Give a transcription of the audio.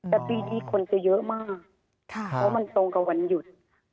แต่ปีนี้คนจะเยอะมากเพราะมันตรงกับวันหยุด